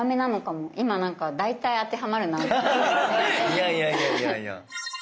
今なんかいやいやいやいやいや。